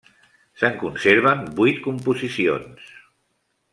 Se'n conserven vuit composicions.